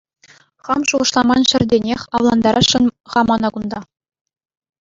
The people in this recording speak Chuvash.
Хам шухӑшламан ҫӗртенех авлантарасшӑн-ха мана кунта.